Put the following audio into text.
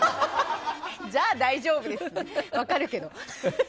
じゃあ大丈夫ですって分かるけど。